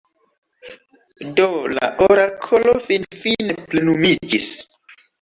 Do la orakolo finfine plenumiĝis.